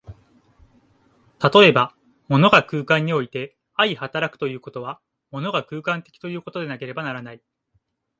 例えば、物が空間において相働くということは、物が空間的ということでなければならない。